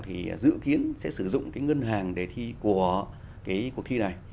thì dự kiến sẽ sử dụng cái ngân hàng đề thi của cái cuộc thi này